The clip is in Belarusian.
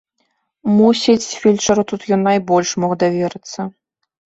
Мусіць, фельчару тут ён найбольш мог даверыцца.